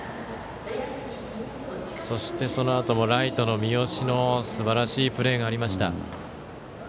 そのあともライトの三好のすばらしいプレーがありました。